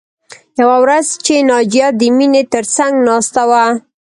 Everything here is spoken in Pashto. یوه ورځ چې ناجیه د مینې تر څنګ ناسته وه